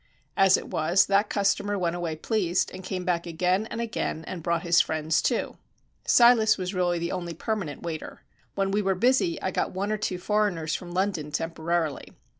As it was, that customer went away pleased, and came back again and again, and brought his friends too. Silas was really the only permanent waiter. When we were busy I got one or two foreigners from London temporarily.